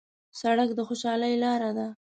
سړک د خوشحالۍ لاره ده.